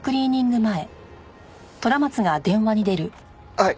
はい。